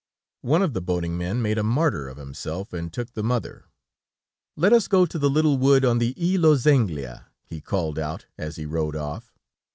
One of the boating men made a martyr of himself and took the mother. "Let us go to the little wood on the Ile aux Anglias!" he called out, as he rowed off.